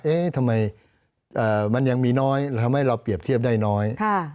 เอ๊ะทำไมมันยังมีน้อยทำให้เราเปรียบเทียบได้น้อย